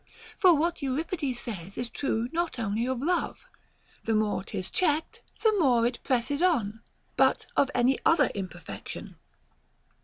For what Euripides says is true not only of love, The more 'tis checked, the more it presses on, but of any other imperfection.